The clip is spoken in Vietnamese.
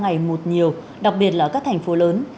ngày mụt nhiều đặc biệt là các thành phố lớn